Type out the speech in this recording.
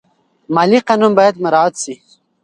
مالي قانون باید مراعات شي.